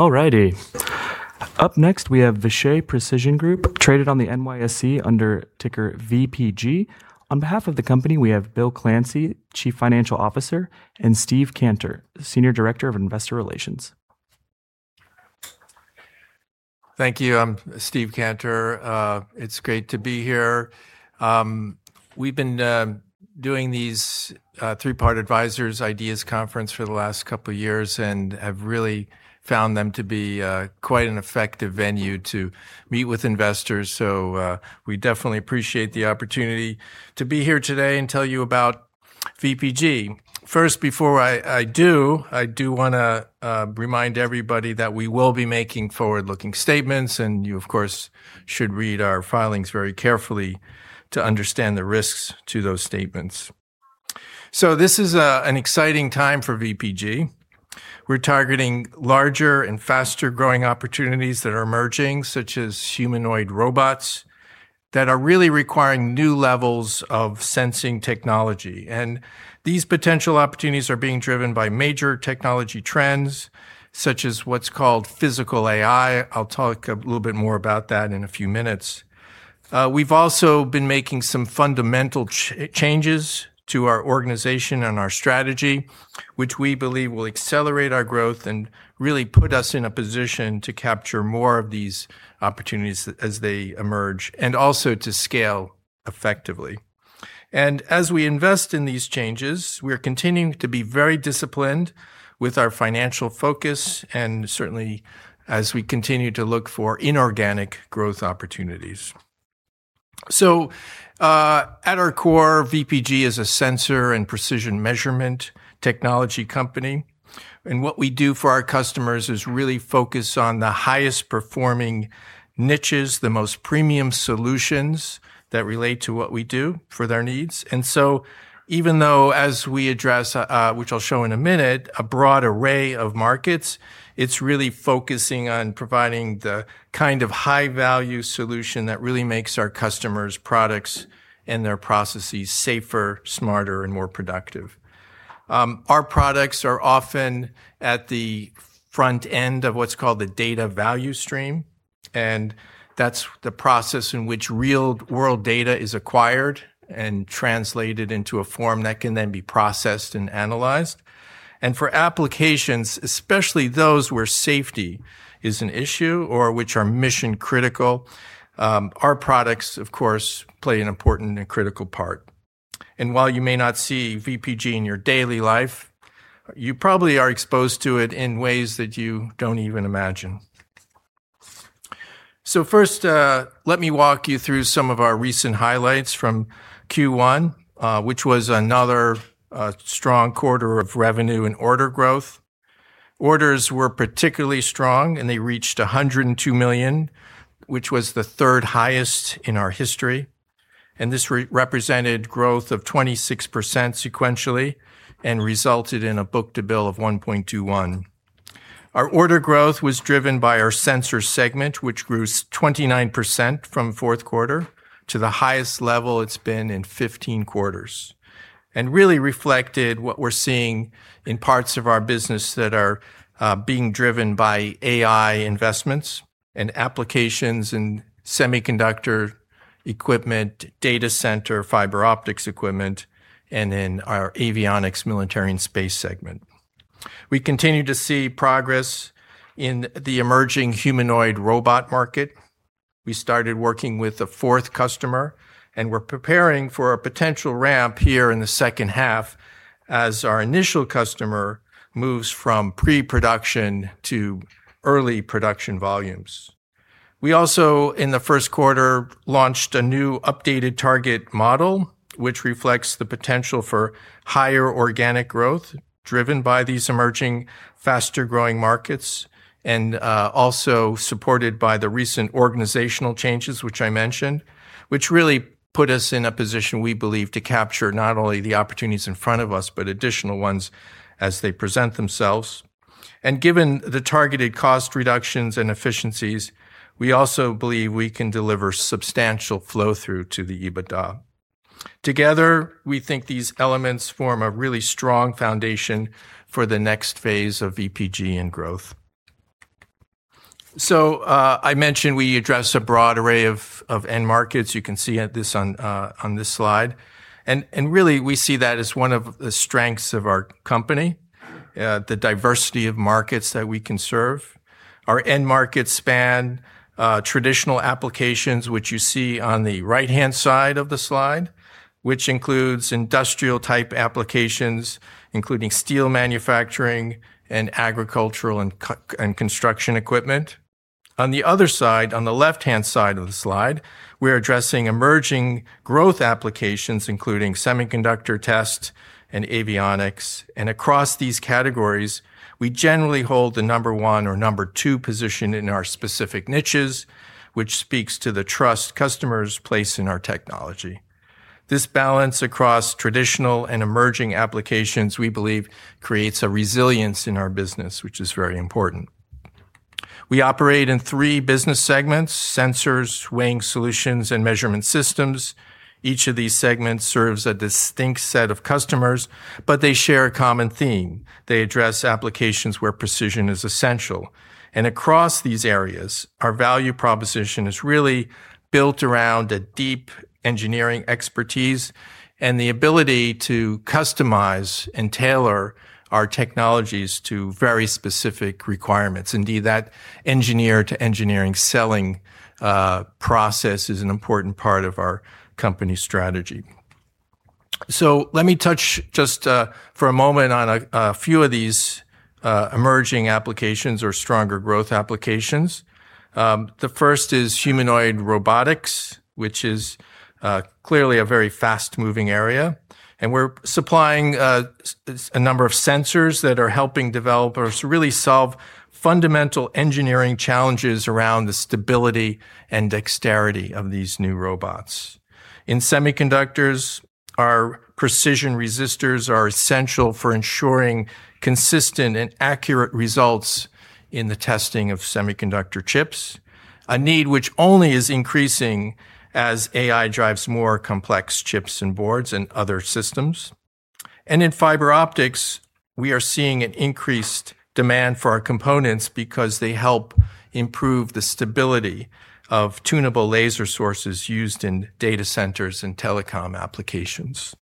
All righty. Up next we have Vishay Precision Group, traded on the NYSE under ticker VPG. On behalf of the company, we have Bill Clancy, Chief Financial Officer, and Steve Cantor, Senior Director of Investor Relations. Thank you. I'm Steve Cantor. It's great to be here. We've been doing these Three Part Advisors IDEAS Conference for the last couple of years and have really found them to be quite an effective venue to meet with investors. We definitely appreciate the opportunity to be here today and tell you about VPG. First, before I do, I do want to remind everybody that we will be making forward-looking statements, and you of course, should read our filings very carefully to understand the risks to those statements. This is an exciting time for VPG. We're targeting larger and faster-growing opportunities that are emerging, such as humanoid robots, that are really requiring new levels of sensing technology. These potential opportunities are being driven by major technology trends, such as what's called Physical AI. I'll talk a little bit more about that in a few minutes. We've also been making some fundamental changes to our organization and our strategy, which we believe will accelerate our growth and really put us in a position to capture more of these opportunities as they emerge, and also to scale effectively. As we invest in these changes, we are continuing to be very disciplined with our financial focus, and certainly as we continue to look for inorganic growth opportunities. At our core, VPG is a sensor and precision measurement technology company, and what we do for our customers is really focus on the highest performing niches, the most premium solutions that relate to what we do for their needs. Even though as we address, which I'll show in a minute, a broad array of markets, it's really focusing on providing the kind of high-value solution that really makes our customers' products and their processes safer, smarter, and more productive. Our products are often at the front end of what's called the data value stream, and that's the process in which real world data is acquired and translated into a form that can then be processed and analyzed. For applications, especially those where safety is an issue or which are mission-critical, our products, of course, play an important and critical part. While you may not see VPG in your daily life, you probably are exposed to it in ways that you don't even imagine. First, let me walk you through some of our recent highlights from Q1, which was another strong quarter of revenue and order growth. Orders were particularly strong. They reached $102 million, which was the third highest in our history. This represented growth of 26% sequentially and resulted in a book-to-bill of 1.21. Our order growth was driven by our sensor segment, which grew 29% from fourth quarter to the highest level it's been in 15 quarters. It really reflected what we're seeing in parts of our business that are being driven by AI investments and applications in semiconductor equipment, data center, fiber optics equipment, and in our avionics, military, and space segment. We continue to see progress in the emerging humanoid robot market. We started working with a fourth customer. We're preparing for a potential ramp here in the second half as our initial customer moves from pre-production to early production volumes. We also, in the first quarter, launched a new updated target model, which reflects the potential for higher organic growth, driven by these emerging, faster-growing markets, supported by the recent organizational changes which I mentioned, which really put us in a position, we believe, to capture not only the opportunities in front of us, but additional ones as they present themselves. Given the targeted cost reductions and efficiencies, we also believe we can deliver substantial flow-through to the EBITDA. Together, we think these elements form a really strong foundation for the next phase of VPG and growth. I mentioned we address a broad array of end markets. You can see this on this slide. Really, we see that as one of the strengths of our company, the diversity of markets that we can serve. Our end markets span traditional applications, which you see on the right-hand side of the slide, which includes industrial type applications, including steel manufacturing and agricultural and construction equipment. On the other side, on the left-hand side of the slide, we are addressing emerging growth applications including semiconductor test and avionics. Across these categories, we generally hold the number one or number two position in our specific niches, which speaks to the trust customers place in our technology. This balance across traditional and emerging applications, we believe, creates a resilience in our business, which is very important. We operate in three business segments: sensors, weighing solutions, and measurement systems. Each of these segments serves a distinct set of customers, but they share a common theme. They address applications where precision is essential. Across these areas, our value proposition is really built around a deep engineering expertise and the ability to customize and tailor our technologies to very specific requirements. Indeed, that engineer-to-engineering selling process is an important part of our company strategy. Let me touch just for a moment on a few of these emerging applications, or stronger growth applications. The first is humanoid robotics, which is clearly a very fast-moving area. We're supplying a number of sensors that are helping developers really solve fundamental engineering challenges around the stability and dexterity of these new robots. In semiconductors, our precision resistors are essential for ensuring consistent and accurate results in the testing of semiconductor chips, a need which only is increasing as AI drives more complex chips and boards and other systems. In fiber optics, we are seeing an increased demand for our components because they help improve the stability of tunable laser sources used in data centers and telecom applications.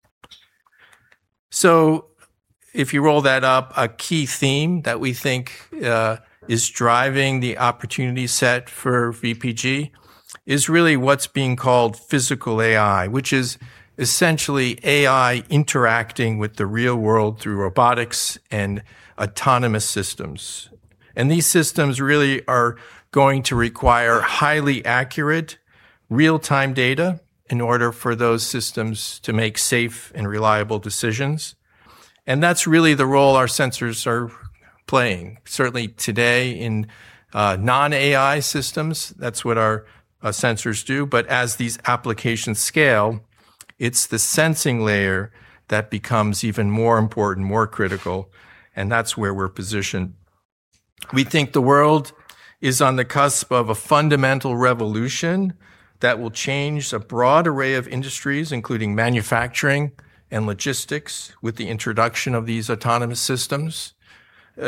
If you roll that up, a key theme that we think is driving the opportunity set for VPG is really what's being called Physical AI, which is essentially AI interacting with the real world through robotics and autonomous systems. These systems really are going to require highly accurate, real-time data in order for those systems to make safe and reliable decisions. That's really the role our sensors are playing. Certainly today in non-AI systems, that's what our sensors do. As these applications scale, it's the sensing layer that becomes even more important, more critical, and that's where we're positioned. We think the world is on the cusp of a fundamental revolution that will change a broad array of industries, including manufacturing and logistics, with the introduction of these autonomous systems.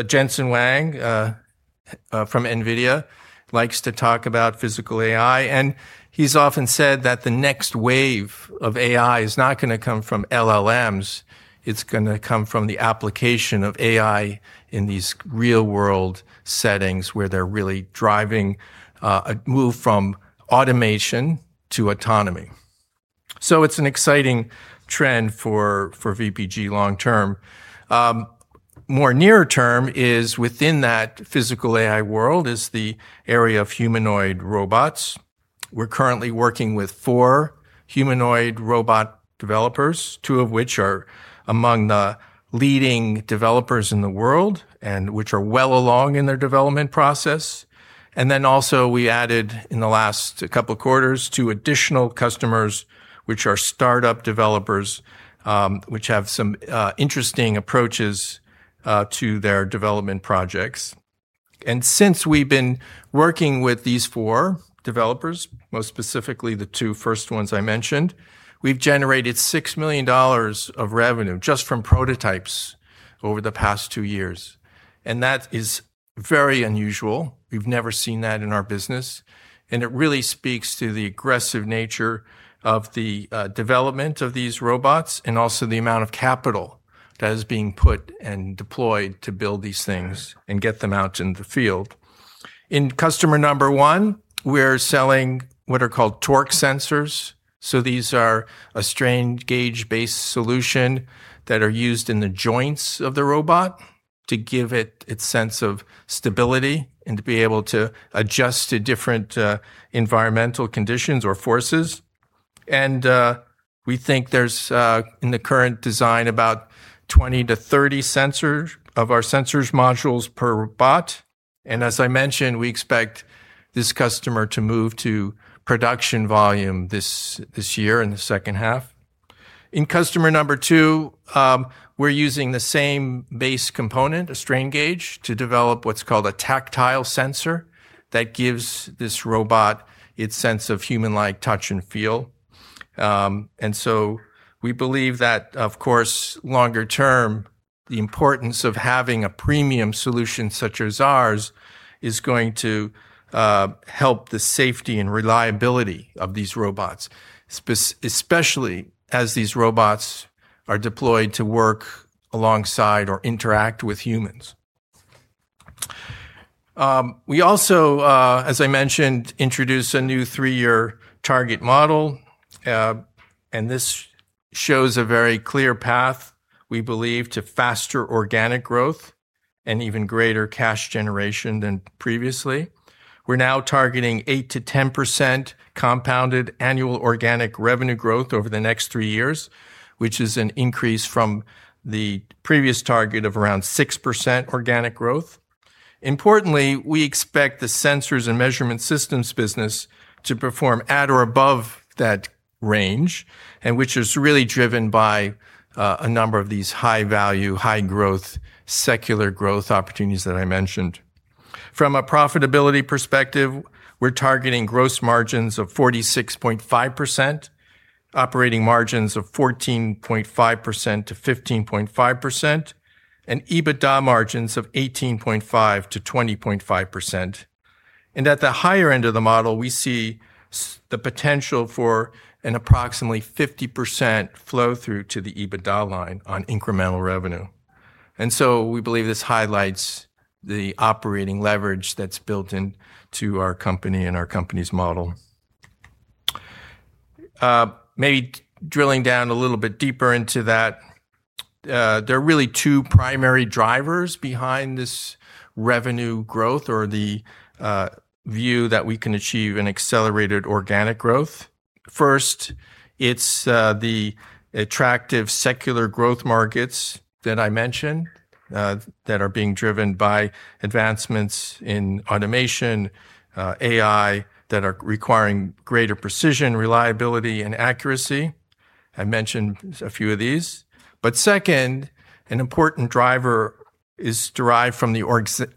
Jensen Huang from NVIDIA likes to talk about Physical AI, and he's often said that the next wave of AI is not going to come from LLMs. It's going to come from the application of AI in these real-world settings, where they're really driving a move from automation to autonomy. It's an exciting trend for VPG long term. More nearer term is within that Physical AI world is the area of humanoid robots. We're currently working with four humanoid robot developers, two of which are among the leading developers in the world and which are well along in their development process. Also we added, in the last couple quarters, two additional customers, which are startup developers, which have some interesting approaches to their development projects. Since we've been working with these four developers, most specifically the two first ones I mentioned, we've generated $6 million of revenue just from prototypes over the past two years, and that is very unusual. We've never seen that in our business, and it really speaks to the aggressive nature of the development of these robots and also the amount of capital that is being put and deployed to build these things and get them out in the field. In customer number one, we're selling what are called torque sensors. These are a strain gauge-based solution that are used in the joints of the robot to give it its sense of stability and to be able to adjust to different environmental conditions or forces. We think there's, in the current design, about 20-30 of our sensors modules per bot. As I mentioned, we expect this customer to move to production volume this year in the second half. In customer number two, we're using the same base component, a strain gauge, to develop what's called a tactile sensor that gives this robot its sense of human-like touch and feel. We believe that, of course, longer term, the importance of having a premium solution such as ours is going to help the safety and reliability of these robots, especially as these robots are deployed to work alongside or interact with humans. We also, as I mentioned, introduced a new three-year target model. This shows a very clear path, we believe, to faster organic growth and even greater cash generation than previously. We're now targeting 8%-10% compounded annual organic revenue growth over the next three years, which is an increase from the previous target of around 6% organic growth. Importantly, we expect the sensors and measurement systems business to perform at or above that range, which is really driven by a number of these high-value, high-growth, secular growth opportunities that I mentioned. From a profitability perspective, we're targeting gross margins of 46.5%, operating margins of 14.5%-15.5%, and EBITDA margins of 18.5%-20.5%. At the higher end of the model, we see the potential for an approximately 50% flow through to the EBITDA line on incremental revenue. We believe this highlights the operating leverage that's built into our company and our company's model. Maybe drilling down a little bit deeper into that, there are really two primary drivers behind this revenue growth or the view that we can achieve an accelerated organic growth. First, it's the attractive secular growth markets that I mentioned, that are being driven by advancements in automation, AI, that are requiring greater precision, reliability, and accuracy. I mentioned a few of these. Second, an important driver is derived from the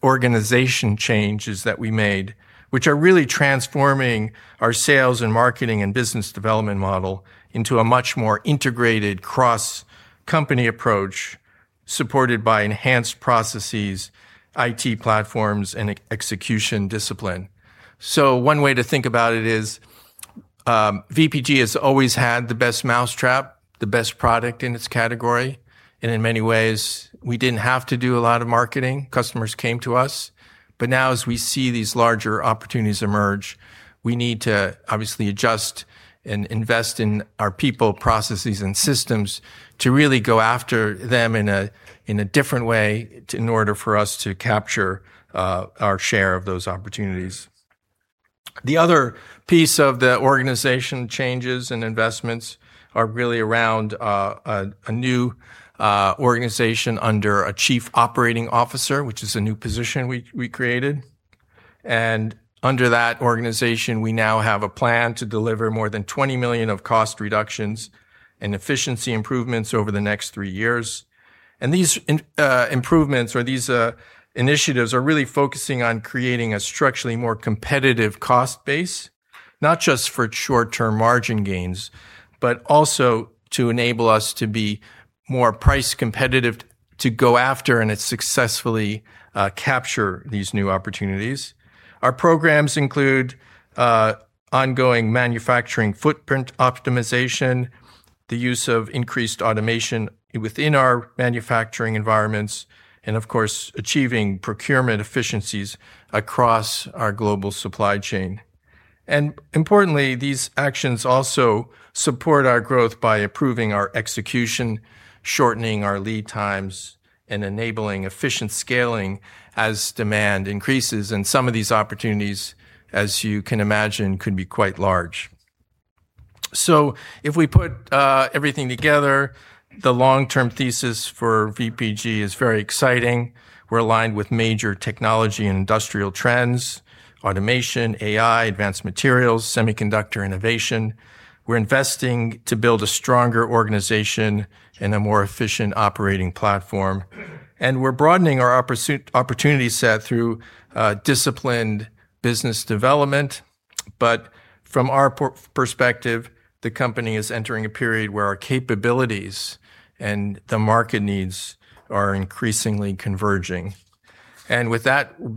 organization changes that we made, which are really transforming our sales and marketing and business development model into a much more integrated cross-company approach supported by enhanced processes, IT platforms, and execution discipline. One way to think about it is, VPG has always had the best mousetrap, the best product in its category. In many ways, we didn't have to do a lot of marketing. Customers came to us. Now, as we see these larger opportunities emerge, we need to obviously adjust and invest in our people, processes, and systems to really go after them in a different way in order for us to capture our share of those opportunities. The other piece of the organization changes and investments are really around a new organization under a Chief Operating Officer, which is a new position we created. Under that organization, we now have a plan to deliver more than $20 million of cost reductions and efficiency improvements over the next three years. These improvements or these initiatives are really focusing on creating a structurally more competitive cost base, not just for short-term margin gains, but also to enable us to be more price competitive to go after and successfully capture these new opportunities. Our programs include ongoing manufacturing footprint optimization, the use of increased automation within our manufacturing environments, of course, achieving procurement efficiencies across our global supply chain. Importantly, these actions also support our growth by improving our execution, shortening our lead times, and enabling efficient scaling as demand increases. Some of these opportunities, as you can imagine, could be quite large. If we put everything together, the long-term thesis for VPG is very exciting. We're aligned with major technology and industrial trends, automation, AI, advanced materials, semiconductor innovation. We're investing to build a stronger organization and a more efficient operating platform. We're broadening our opportunity set through disciplined business development. From our perspective, the company is entering a period where our capabilities and the market needs are increasingly converging. With that,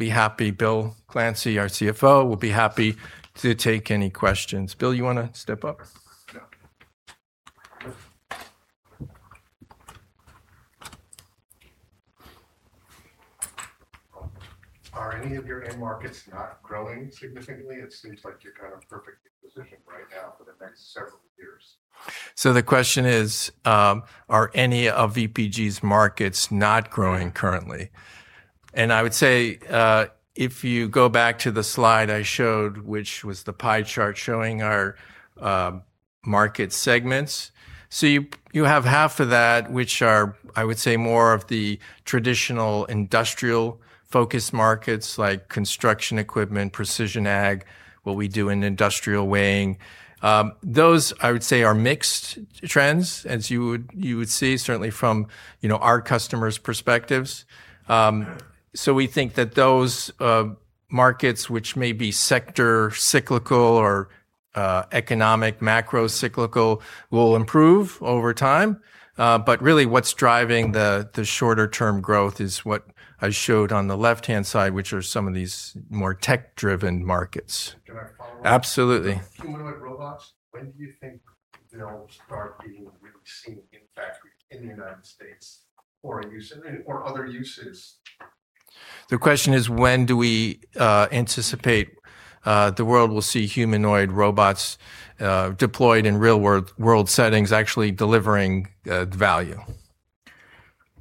Bill Clancy, our Chief Financial Officer, will be happy to take any questions. Bill, you want to step up? Are any of your end markets not growing significantly? It seems like you're kind of perfectly positioned right now for the next several years. The question is, are any of VPG's markets not growing currently? I would say, if you go back to the slide I showed, which was the pie chart showing our market segments, you have half of that which are, I would say, more of the traditional industrial-focused markets like construction equipment, precision ag, what we do in industrial weighing. Those, I would say, are mixed trends, as you would see certainly from our customers' perspectives. We think that those markets, which may be sector cyclical or economic macro cyclical, will improve over time. Really what's driving the shorter-term growth is what I showed on the left-hand side, which are some of these more tech-driven markets. Can I follow up? Absolutely. Humanoid robots, when do you think they'll start being really seen in factories in the U.S. for use in, or other uses? The question is, when do we anticipate the world will see humanoid robots deployed in real-world settings actually delivering value?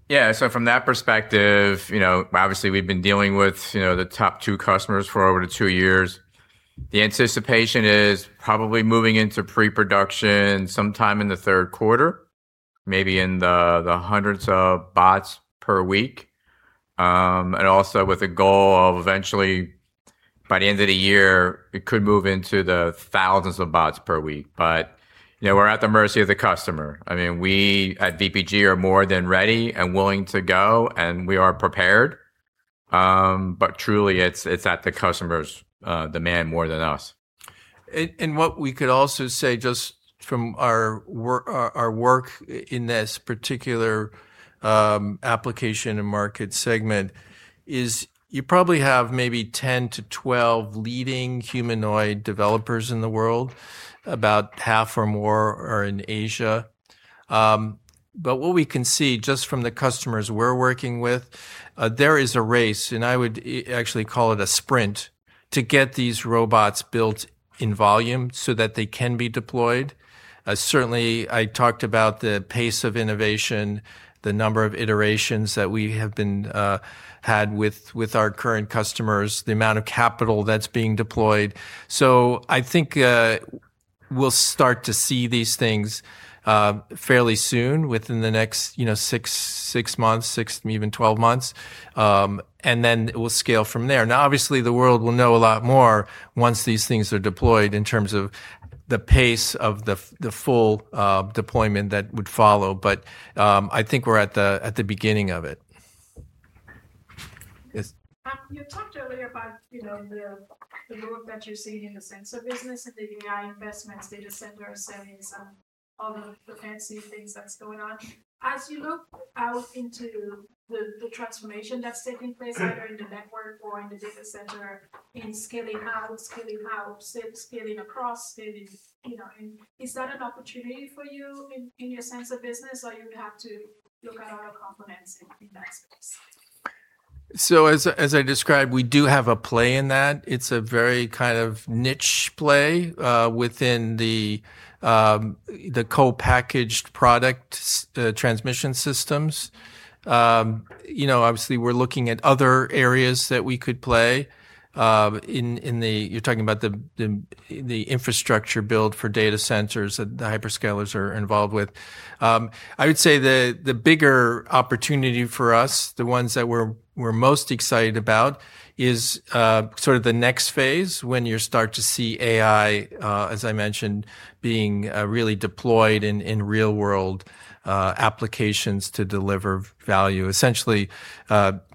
Yeah, from that perspective, obviously we've been dealing with the top two customers for over two years. The anticipation is probably moving into pre-production sometime in the third quarter, maybe in the hundreds of bots per week. Also with a goal of eventually, by the end of the year, it could move into the thousands of bots per week. We're at the mercy of the customer. We at VPG are more than ready and willing to go, and we are prepared. Truly, it's at the customer's demand more than us. What we could also say, just from our work in this particular application and market segment, is you probably have maybe 10 to 12 leading humanoid developers in the world. About half or more are in Asia. What we can see just from the customers we're working with, there is a race, and I would actually call it a sprint, to get these robots built in volume so that they can be deployed. Certainly, I talked about the pace of innovation, the number of iterations that we have had with our current customers, the amount of capital that's being deployed. I think we'll start to see these things fairly soon, within the next six months, 6-12 months. Then we'll scale from there. The world will know a lot more once these things are deployed in terms of the pace of the full deployment that would follow. I think we're at the beginning of it. Yes. You talked earlier about the work that you're seeing in the sensor business and the AI investments, data center spendings, and all the fancy things that's going on. As you look out into the transformation that's taking place, either in the network or in the data center, in scaling out, scaling across, is that an opportunity for you in your sensor business, or you would have to look at other components in that space? As I described, we do have a play in that. It's a very kind of niche play within the Co-packaged optics transmission systems. Obviously, we're looking at other areas that we could play. You're talking about the infrastructure build for data centers that the hyperscalers are involved with. I would say the bigger opportunity for us, the ones that we're most excited about, is sort of the next phase, when you start to see AI, as I mentioned, being really deployed in real-world applications to deliver value. Essentially,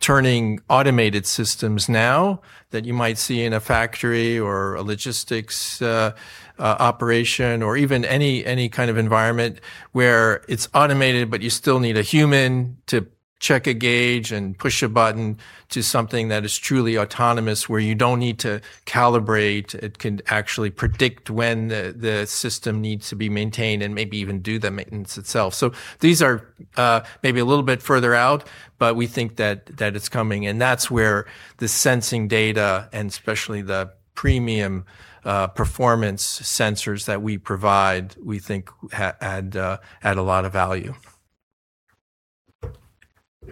turning automated systems now that you might see in a factory or a logistics operation, or even any kind of environment where it's automated, but you still need a human to check a gauge and push a button to something that is truly autonomous, where you don't need to calibrate. It can actually predict when the system needs to be maintained and maybe even do the maintenance itself. These are maybe a little bit further out, but we think that it's coming, and that's where the sensing data and especially the premium performance sensors that we provide, we think add a lot of value.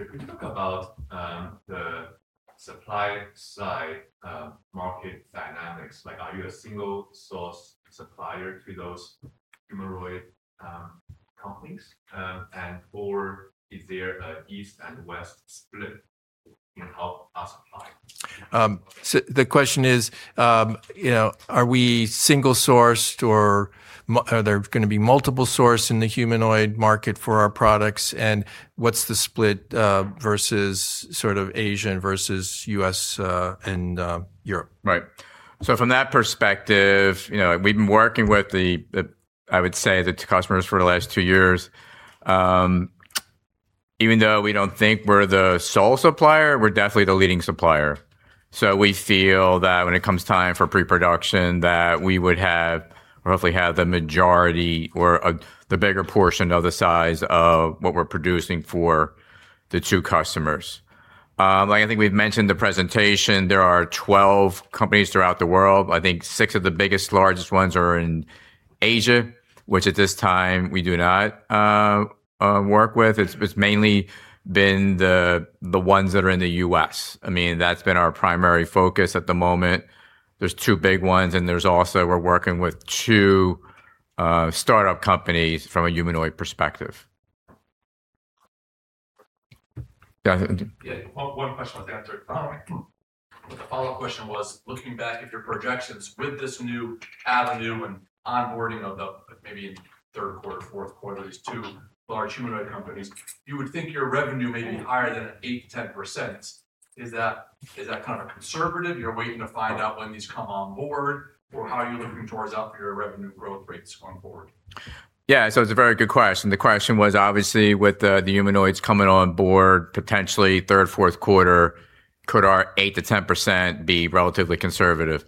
Could you talk about the supply side market dynamics? Are you a single-source supplier to those humanoid companies, and/or is there an East and West split in our supply? The question is, are we single sourced or are there going to be multiple sources in the humanoid market for our products, and what's the split versus sort of Asian versus U.S. and Europe? From that perspective, we've been working with the, I would say, the two customers for the last two years. Even though we don't think we're the sole supplier, we're definitely the leading supplier. We feel that when it comes time for pre-production, that we would roughly have the majority or the bigger portion of the size of what we're producing for the two customers. I think we've mentioned the presentation, there are 12 companies throughout the world. I think six of the biggest, largest ones are in Asia, which at this time we do not work with. It's mainly been the ones that are in the U.S. That's been our primary focus at the moment. There's two big ones, and there's also, we're working with two startup companies from a humanoid perspective. One question with that third. Oh, the follow-up question was, looking back at your projections with this new avenue and onboarding of the, maybe in third quarter, fourth quarter, these two large humanoid companies, you would think your revenue may be higher than 8%-10%. Is that kind of conservative? You're waiting to find out when these come on board, or how are you looking out for your revenue growth rates going forward? Yeah, it's a very good question. The question was, obviously, with the humanoids coming on board, potentially third, fourth quarter, could our 8%-10% be relatively conservative?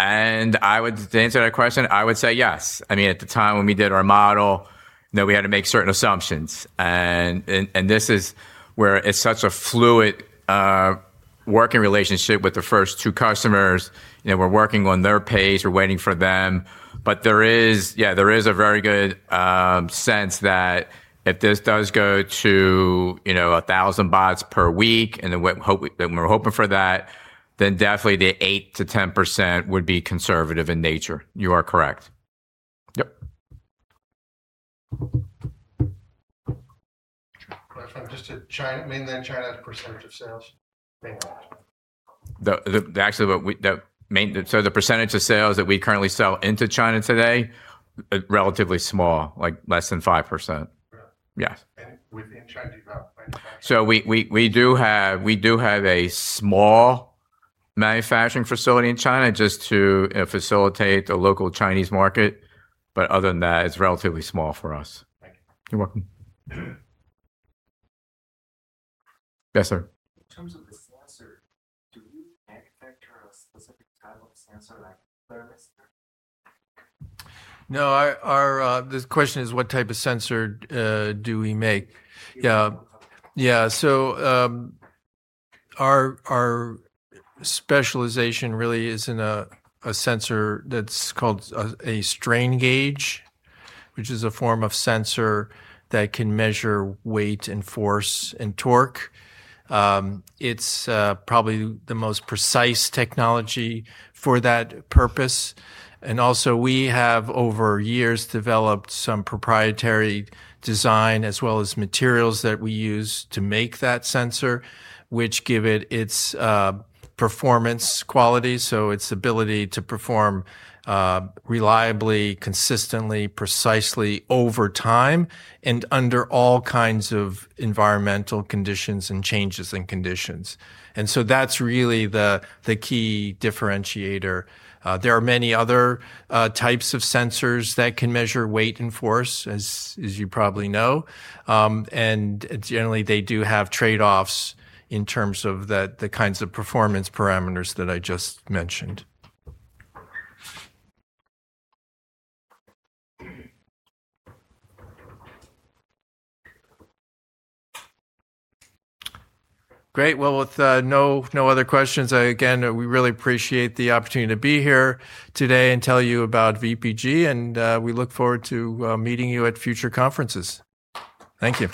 To answer that question, I would say yes. At the time when we did our model, we had to make certain assumptions. This is where it's such a fluid working relationship with the first two customers. We're working on their pace. We're waiting for them. There is a very good sense that if this does go to 1,000 bots per week, we're hoping for that, then definitely the 8%-10% would be conservative in nature. You are correct. Yep Just mainland China percentage of sales. The percentage of sales that we currently sell into China today, relatively small, less than 5%. Yeah. Yes. Within China, do you have manufacturing? We do have a small manufacturing facility in China just to facilitate the local Chinese market. Other than that, it's relatively small for us. Thank you. You're welcome. Yes, sir. In terms of the sensor, do you manufacture a specific type of sensor, like thermistor? No. The question is what type of sensor do we make? Yeah. Yeah. Our specialization really is in a sensor that's called a strain gauge, which is a form of sensor that can measure weight and force and torque. It's probably the most precise technology for that purpose, and also we have, over years, developed some proprietary design as well as materials that we use to make that sensor, which give it its performance quality, so its ability to perform reliably, consistently, precisely over time and under all kinds of environmental conditions and changes in conditions. That's really the key differentiator. There are many other types of sensors that can measure weight and force, as you probably know. Generally, they do have trade-offs in terms of the kinds of performance parameters that I just mentioned. Great. With no other questions, again, we really appreciate the opportunity to be here today and tell you about VPG, and we look forward to meeting you at future conferences. Thank you.